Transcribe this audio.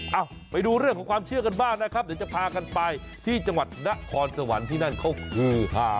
เอ้าไปดูเรื่องของความเชื่อกันบ้างนะครับเดี๋ยวจะพากันไปที่จังหวัดนครสวรรค์ที่นั่นเขาคือฮา